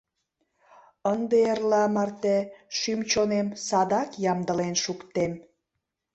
Ынде эрла марте шӱм-чонем садак ямдылен шуктем.